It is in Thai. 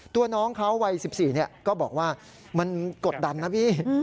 ตัวน้องเขาวัย๑๔ก็บอกว่ามันกดดันนะพี่